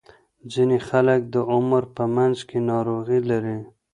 ځینې خلک د عمر په منځ کې ناروغۍ لري.